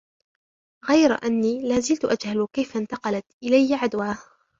،غير أني لا زلت أجهلُ كيف انتقلت إليّ عدواه